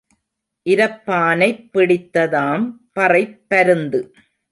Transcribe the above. இரப்பானைப் பிடித்ததாம் பறைப் பருந்து.